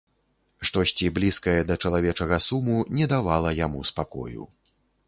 Штосьці блізкае да чалавечага суму не давала яму спакою.